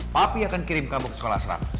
papi akan kirim kamu ke sekolah serak